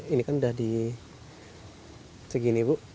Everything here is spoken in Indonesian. ini kan udah di segini bu